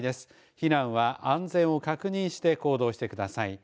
避難は安全を確認して行動してください。